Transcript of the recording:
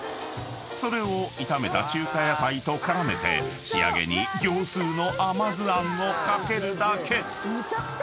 ［それを炒めた中華野菜と絡めて仕上げに業スーの甘酢あんを掛けるだけ］